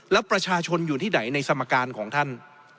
แล้วประชาชนอยู่ที่ไหนในสมการของท่าน